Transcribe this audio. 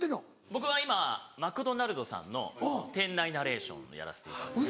僕は今マクドナルドさんの店内ナレーションをやらせていただいてます。